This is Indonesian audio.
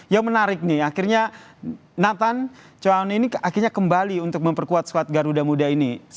yang menarik nih akhirnya nathan chuan ini akhirnya kembali untuk memperkuat squad garuda muda ini